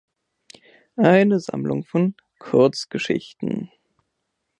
Eine Sammlung von Kurzgeschichten.